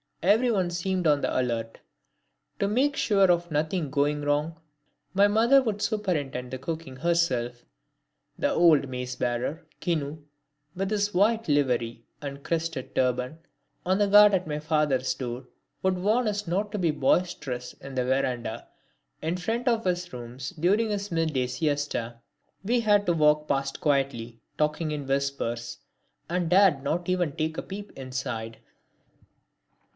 Everyone seemed on the alert. To make sure of nothing going wrong, my mother would superintend the cooking herself. The old mace bearer, Kinu, with his white livery and crested turban, on guard at my father's door, would warn us not to be boisterous in the verandah in front of his rooms during his midday siesta. We had to walk past quietly, talking in whispers, and dared not even take a peep inside.